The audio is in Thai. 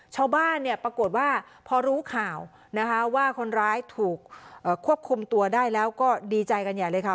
ชาวบ้านเนี่ยปรากฏว่าพอรู้ข่าวนะคะว่าคนร้ายถูกควบคุมตัวได้แล้วก็ดีใจกันใหญ่เลยค่ะ